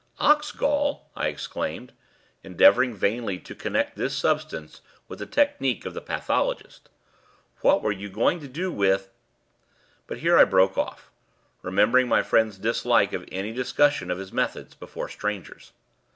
"Ox gall!" I exclaimed, endeavouring vainly to connect this substance with the technique of the pathologist. "What were you going to do with " But here I broke off, remembering my friend's dislike of any discussion of his methods before strangers.